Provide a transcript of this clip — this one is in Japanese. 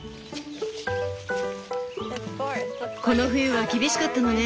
この冬は厳しかったのね。